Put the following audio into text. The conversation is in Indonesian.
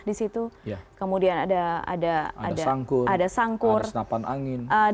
ada panah di situ kemudian ada sangkur ada senapan angin